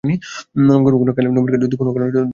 কোনো কালে নবীনকে যদি কোনো কারণে দরকার হয় স্মরণ কোরো।